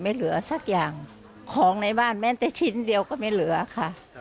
เหลือสักอย่างของในบ้านแม้แต่ชิ้นเดียวก็ไม่เหลือค่ะ